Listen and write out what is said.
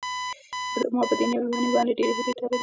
ما په دې نوې ونې باندې ډېرې هیلې تړلې وې.